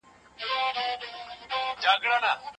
باورمن استاد ماشومانو ته د لاس پاک ساتلو عادت ښووي.